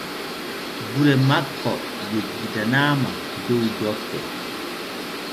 Gure makko yeggitanaa dow dokke.